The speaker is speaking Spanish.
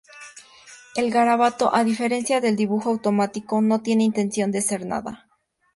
El garabato a diferencia del dibujo automático no tiene intención de ser nada.